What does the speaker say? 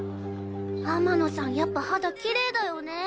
天野さんやっぱ肌きれいだよね。